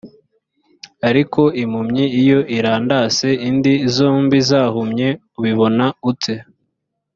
ariko impumyi iyo irandase indi zombi zahumye ubibona ute‽